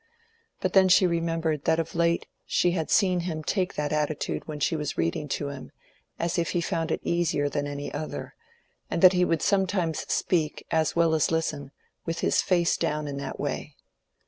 But then she remembered that of late she had seen him take that attitude when she was reading to him, as if he found it easier than any other; and that he would sometimes speak, as well as listen, with his face down in that way.